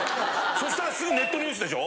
そしたらすぐネットニュースでしょ？